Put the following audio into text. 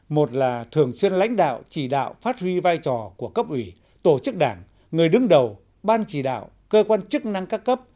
một là thường xuyên lãnh đạo chỉ đạo phát huy vai trò của cấp ủy tổ chức đảng người đứng đầu ban chỉ đạo cơ quan chức năng các cấp